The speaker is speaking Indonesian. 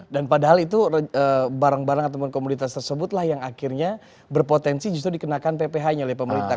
dan padahal itu barang barang atau komunitas tersebut lah yang akhirnya berpotensi justru dikenakan pph nya oleh pemerintah